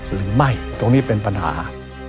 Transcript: หรือไม่ตรงนี้เป็นปัญหา